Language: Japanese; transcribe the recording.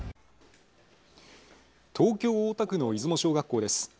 東京大田区の出雲小学校です。